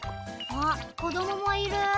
あっこどももいる。